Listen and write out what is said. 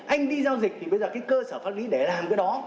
anh đi giao dịch thì bây giờ cái cơ sở pháp lý để làm cái đó